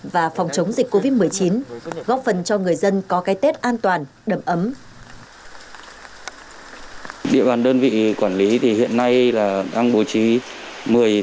và phòng chống dịch covid một mươi chín góp phần cho người dân có cái tết an toàn đầm ấm